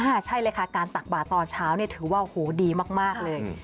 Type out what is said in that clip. ใช่เลยค่ะการตักบาทตอนเช้าเนี่ยถือว่าโหดีมากเลย